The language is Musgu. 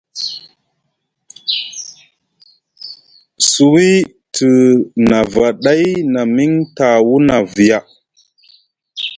Suwi te nafa ɗay na miŋ tawuna via.